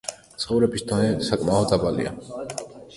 ცხოვრების დონე საკმაოდ დაბალია.